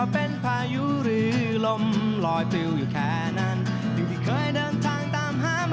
สนุนโดยอีซุสุมิวเอ็กซิทธิ์แห่งความสุข